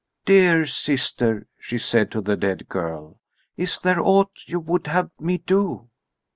"Dear sister," she said to the dead girl, "is there aught you would have me do?"